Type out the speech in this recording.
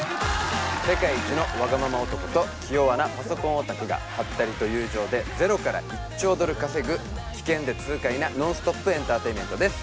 世界一のワガママ男と気弱なパソコンオタクがハッタリと友情でゼロから１兆ドル稼ぐ危険で痛快なノンストップエンターテインメントです